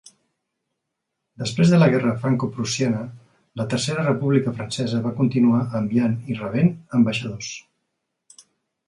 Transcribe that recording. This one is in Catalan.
Després de la guerra Francoprussiana, la Tercera República Francesa va continuar enviant i rebent ambaixadors.